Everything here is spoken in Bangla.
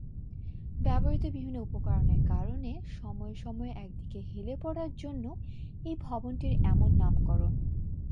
ব্যবহৃত বিভিন্ন উপকরণের কারণে সময়ে সময়ে একদিকে হেলে পড়ার জন্য এই ভবনটির এমন নামকরণ।